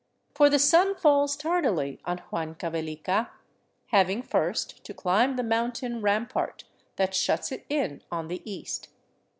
For the sun falls tardily on Huancavelica, having first to climb the mountain ram part that shuts it in on the east.